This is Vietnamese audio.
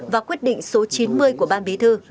và quyết định số chín mươi của ban bí thư